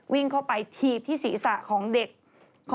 วิ่งเข้าไปถีบที่ศีรษะของเด็ก